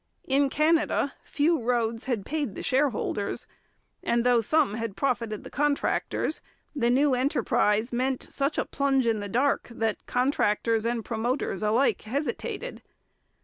In Canada few roads had paid the shareholders, and though some had profited the contractors, the new enterprise meant such a plunge in the dark that contractors and promoters alike hesitated.